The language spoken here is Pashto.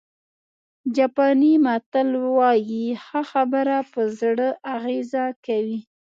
جاپاني متل وایي ښه خبره په زړه اغېزه کوي.